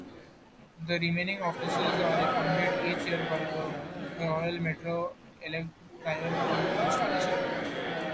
The remaining officers are appointed each year by the Royal Matron-elect prior to installation.